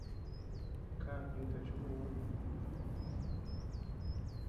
Kad yuta chuʼuu.